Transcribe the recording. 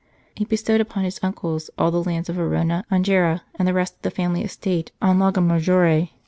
He bestowed upon his uncles all the lands of Arona, Angera, and the rest of the family estate on Lago Maggiore.